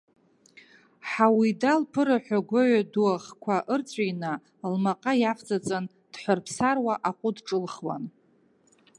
Ҳауида лԥыраҳәа гәаҩа ду ахқәа ырҵәины лмаҟа иавҵаҵан, дҳәарԥ саруа аҟәыд ҿылхуан.